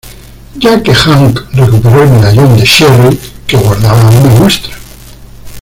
Ya que Hunk recuperó el medallón de Sherry que guardaba una muestra.